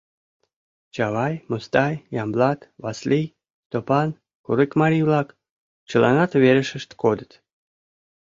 Чавай, Мустай, Ямблат, Васлий, Стопан, курыкмарий-влак — чыланат верешышт кодыт.